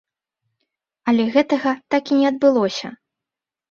Але гэтага так і не адбылося.